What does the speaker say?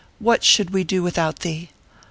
what should we do without thee ?